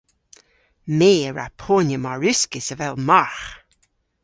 My a wra ponya mar uskis avel margh!